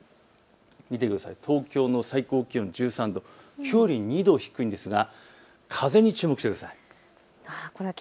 見てください、東京の最高気温１３度、きょうより２度低いんですが風に注目してください。